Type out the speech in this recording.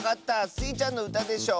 スイちゃんのうたでしょ。